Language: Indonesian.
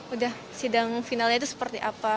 udah sidang finalnya itu seperti apa